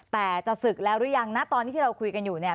แต่จะศึกแล้วหรือยังนะตอนที่เราคุยกันอยู่เนี่ย